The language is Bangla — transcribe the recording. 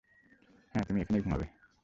হ্যাঁঁ তুমি এখানেই ঘুমাবে।